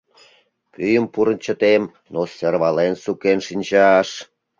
Пӱйым пурын чытем, но сӧрвален сукен шинчаш...